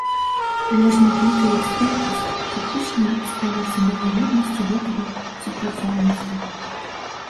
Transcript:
Але шматлікія эксперты скептычна ставяцца да выгоднасці гэтага супрацоўніцтва.